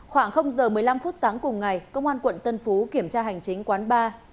khoảng h một mươi năm sáng cùng ngày công an tp hcm kiểm tra hành chính quán bar